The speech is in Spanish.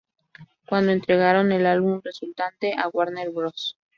Cuando entregaron el álbum resultante a Warner Bros.